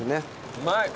うまい。